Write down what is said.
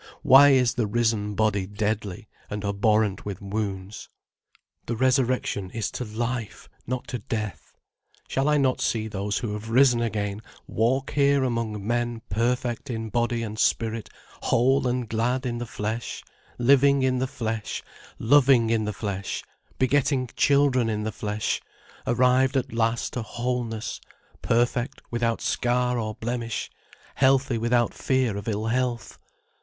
Why is the risen body deadly, and abhorrent with wounds? The Resurrection is to life, not to death. Shall I not see those who have risen again walk here among men perfect in body and spirit, whole and glad in the flesh, living in the flesh, loving in the flesh, begetting children in the flesh, arrived at last to wholeness, perfect without scar or blemish, healthy without fear of ill health?